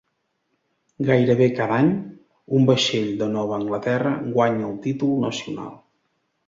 Gairebé cada any, un vaixell de Nova Anglaterra guanya el títol nacional.